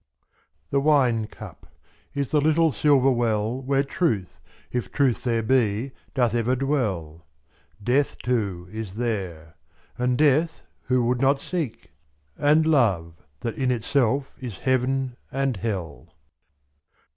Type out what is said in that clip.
The wine cup is the little silver well Where Truth, if Truth there be, doth ever dwell; /0' Death too is there, — and Death who would not seek? And Love that in itself is Heaven and Hell.